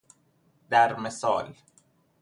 در مثال